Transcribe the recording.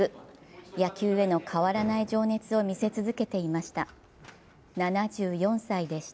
野球への変わらない情熱を見せ続けていました。